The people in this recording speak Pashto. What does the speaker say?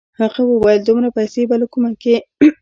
هغه وويل دومره پيسې به له کومه کې.